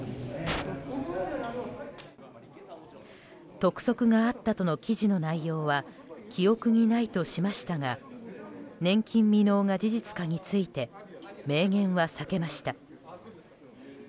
督促があったとの記事の内容は記憶にないとしましたが年金未納が事実かについて明言は避けました。